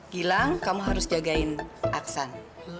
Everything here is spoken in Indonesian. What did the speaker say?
bilang kamu harus jagain aksan